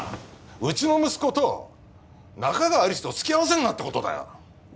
うちの息子と仲川有栖とをつきあわせるなってことだよ！